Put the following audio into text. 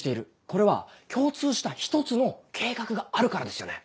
これは共通した１つの計画があるからですよね。